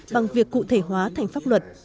bằng việc cụ thể hóa thành pháp luật